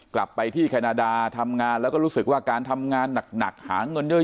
กลับไปที่แคนาดาทำงานแล้วก็รู้สึกว่าการทำงานหนักหาเงินเยอะ